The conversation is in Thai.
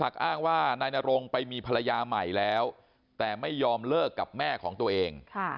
แต่ไม่ยอมเลิกกับแม่ของตัวเอง